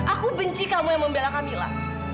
aku benci kamu yang membela kamila